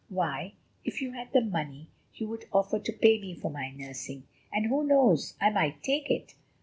"Why, if you had the money, you would offer to pay me for my nursing, and who knows, I might take it!